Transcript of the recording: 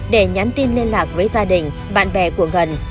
để nhắn tin liên lạc với gia đình bạn bè của ngân